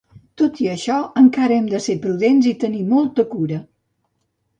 Tot i això, encara hem de ser prudents i tenir molta cura